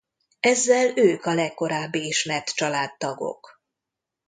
Ezzel ők a legkorábbi ismert családtagok.